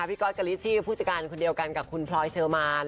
ก๊อตกะลิชชี่ผู้จัดการคนเดียวกันกับคุณพลอยเชอร์มาน